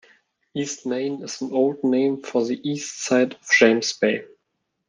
'East Main' is an old name for the east side of James Bay.